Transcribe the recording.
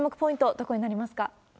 どこになりますか？